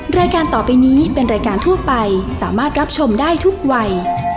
รายการต่อไปนี้เป็นรายการทั่วไปสามารถรับชมได้ทุกวัย